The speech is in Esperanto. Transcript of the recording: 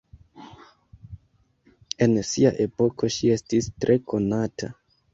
En sia epoko ŝi estis tre konata.